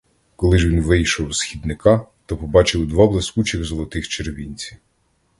Коли ж він вийшов з хідника, то побачив два блискучих золотих червінці.